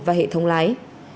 và hệ thống lái